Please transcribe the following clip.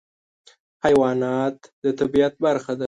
حیوانات د طبیعت برخه ده.